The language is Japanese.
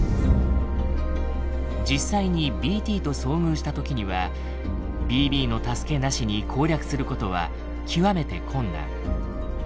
実際にＢＴと遭遇した時にはＢＢの助けなしに攻略することは極めて困難。